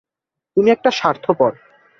তুমি একটা স্বার্থপর।